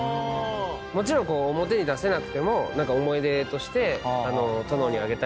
もちろん表に出せなくても何か思い出として殿にあげたり。